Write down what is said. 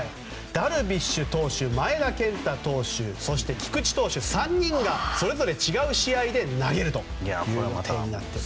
ダルビッシュ投手、前田健太投手そして菊池投手３人がそれぞれ違う試合で投げる予定になっていると。